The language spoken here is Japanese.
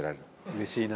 うれしいな。